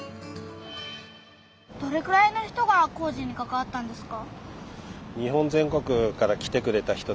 どれくらいの人が工事にかかわったんですか？